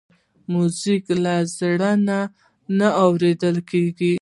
موزیک له زړه نه اورېدل کېږي.